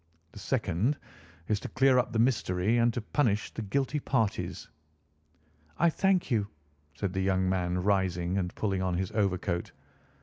The second is to clear up the mystery and to punish the guilty parties." "I thank you," said the young man, rising and pulling on his overcoat.